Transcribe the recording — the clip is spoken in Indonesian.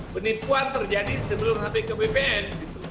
penipuan terjadi sebelum sampai ke bpn